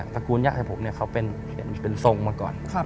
สกูลย่าผมเขาเป็นทรงมาก่อน